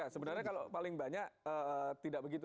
sebenarnya kalau paling banyak tidak begitu